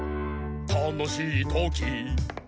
「たのしいとき」